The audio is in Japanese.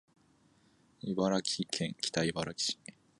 茨城県北茨城市